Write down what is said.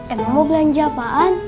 emang belanja apaan